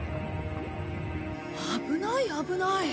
危ない危ない。